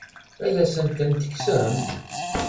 Ad as-tent-tekksemt?